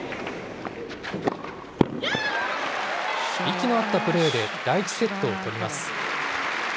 息の合ったプレーで、第１セットを取ります。